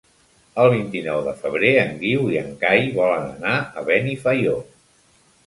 El vint-i-nou de febrer en Guiu i en Cai volen anar a Benifaió.